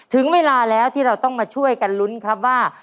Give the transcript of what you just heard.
ถึงเวลาแล้วที่เราต้องมาช่วยกันลุ้นครับว่า